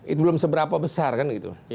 itu belum seberapa besar kan gitu